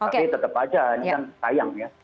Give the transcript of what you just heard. tapi tetap aja ini kan sayang ya